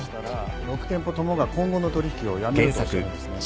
６店舗ともが今後の取引をやめるとおっしゃるんですね。